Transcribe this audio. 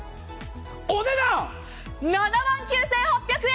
お値段、７万９８００円！